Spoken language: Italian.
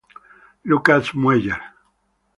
Lukas Mueller